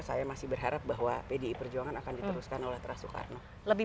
saya masih berharap bahwa pdi perjuangan akan diteruskan oleh teras soekarno